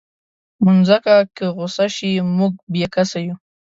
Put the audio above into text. مځکه که غوسه شي، موږ بېکسه یو.